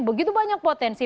begitu banyak potensi